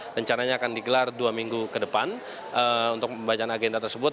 rencananya akan digelar dua minggu ke depan untuk pembacaan agenda tersebut